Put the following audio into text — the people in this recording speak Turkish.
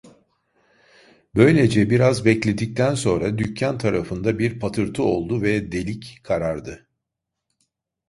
Böylece biraz bekledikten sonra dükkan tarafında bir patırtı oldu ve delik karardı.